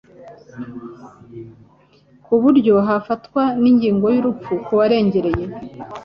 kuburyo hafatwa ningingo yurupfu kuwarengereye